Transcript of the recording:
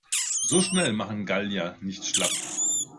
So schnell machen Gallier nicht schlapp.